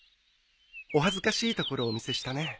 お恥ずかしいところをお見せしたね。